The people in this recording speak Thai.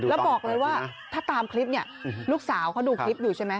แล้วบอกเลยว่าถ้าตามคลิปเนี่ยลูกสาวเขาดูคลิปอยู่ใช่ไหม